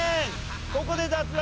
ここで脱落。